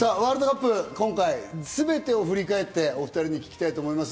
ワールドカップ、今回全てを振り返って、お２人に聞きたいと思います。